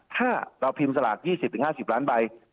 ถ้าเราพิมพ์สลาก๒๐๕๐ล้านใบ